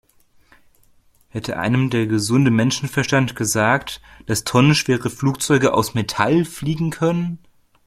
Hätte einem der gesunde Menschenverstand gesagt, dass tonnenschwere Flugzeuge aus Metall fliegen können?